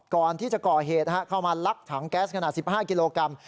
ก่อนที่จะก่อเหตุเข้ามาลักถังแก๊สขนาด๑๕กิโลกรัม